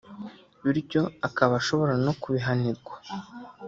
bityo akaba ashobora no kubihanirwa